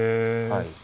はい。